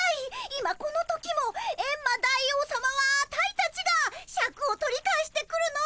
今この時もエンマ大王さまはアタイたちがシャクを取り返してくるのを待ってるんだ！